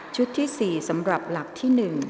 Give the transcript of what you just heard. ที่๔สำหรับหลักที่๑